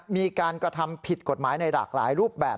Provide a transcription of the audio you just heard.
มีการกระทำผิดกฎหมายในหลากหลายรูปแบบ